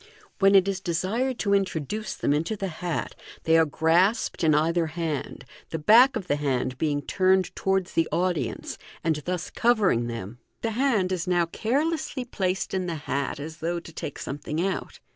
When it is desired to introduce them into the hat, they are grasped in either hand, the back of the hand being turned towards the audience, and thus covering them. The hand is now carelessly placed in the hat, as though to take some thing out.